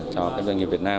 cho các doanh nghiệp việt nam